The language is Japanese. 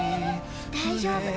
大丈夫。